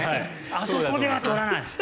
あそこでは取らない。